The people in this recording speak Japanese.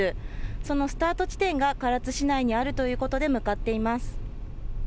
そのスタート地点が唐津市内にあるということで向かっています。